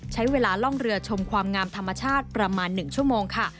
ใช้เวลาล่องเรือชมความงามธรรมชาติประมาณ๑ชั่วโมงค่ะ